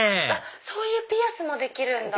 そういうピアスもできるんだ。